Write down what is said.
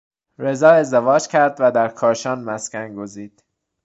رضا ازدواج کرد و در کاشان مسکن گزید.